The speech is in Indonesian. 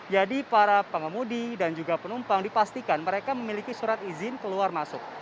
jadi para pengemudi dan juga penumpang dipastikan mereka memiliki surat izin keluar masuk